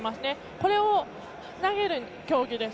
これを投げる競技です。